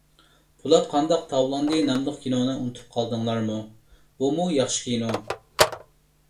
«پولات قانداق تاۋلاندى» ناملىق كىنونى ئۇنتۇپ قالدىڭلارمۇ؟ بۇمۇ ياخشى كىنو.